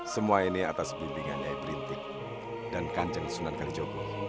semua ini atas pembimbingannya yang berintik dan kanjeng sunan karjobo